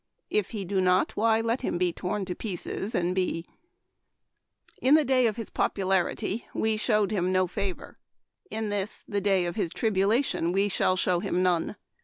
If he do not, why let him be torn to pieces and be —" In the day of his popularity we showed him no favor ; in this, the day of his tribulation, we shall show him none.